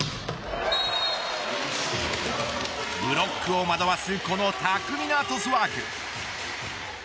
ブロックを惑わすこの巧みなトスワーク。